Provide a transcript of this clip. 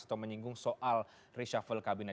atau menyinggung soal reshuffle kabinet